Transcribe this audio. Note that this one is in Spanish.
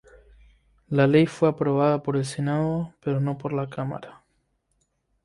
La ley fue aprobada por el Senado, pero no por la Cámara.